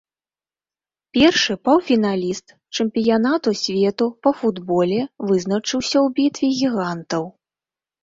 Першы паўфіналіст чэмпіянату свету па футболе вызначыўся ў бітве гігантаў.